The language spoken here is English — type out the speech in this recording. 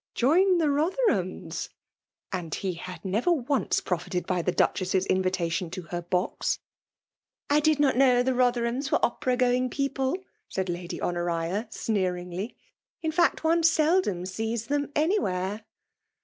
" Join the Rotherhams !" And he had never once profited by the Duchess's invitation to her box !•* I did not know the Rotherhams wer6 Opera going people!" said Lady Hoiforiti, sneeringly. '* In fact, one seldom sees them anywhere.'